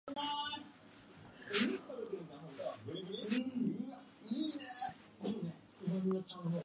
The Palestinians received medical treatment and judicial support from Israeli facilities.